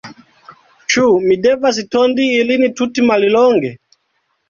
Ĉu mi devas tondi ilin tute mallonge?